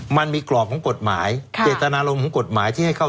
มันมีกรอบของกฎหมายเจตนารมณ์ของกฎหมายที่ให้เข้า